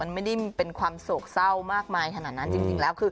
มันไม่ได้เป็นความโศกเศร้ามากมายขนาดนั้นจริงแล้วคือ